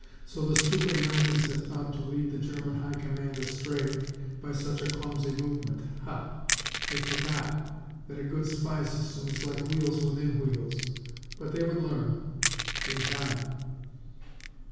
So the stupid Americans had thought to lead the German High Command astray by such a clumsy movement? Ha! They forgot that a good spy system is like wheels within wheels. But they would learn in time.